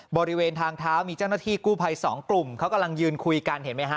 บริเวณทางเท้ามีเจ้าหน้าที่กู้ภัยสองกลุ่มเขากำลังยืนคุยกันเห็นไหมฮะ